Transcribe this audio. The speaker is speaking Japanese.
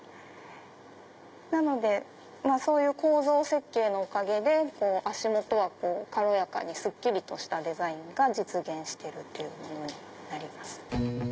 なのでそういう構造設計のおかげで足元は軽やかにすっきりとしたデザインが実現してるというものになります。